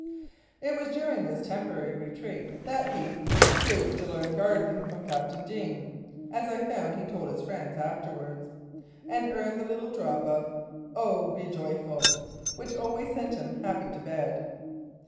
It was during this temporary "retreat" that he "used to learn gardening from Captain Deane " (as I found he told his friends afterwards), and earned the little drop of "Oh ! be joyful " which always sent him happy to bed.